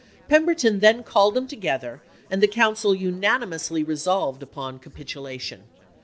Pemberton then called them together, and the council unanimously pemberton resolved upon capitulation.